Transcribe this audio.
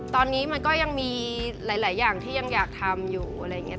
ตอนนี้มันก็ยังมีหลายอย่างที่ยังอยากทำอยู่อะไรอย่างนี้